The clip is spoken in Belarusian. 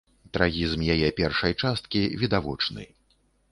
Трагізм яе першай часткі відавочны.